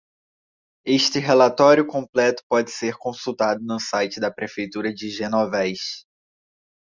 Este relatório completo pode ser consultado no site da Prefeitura de Genovés.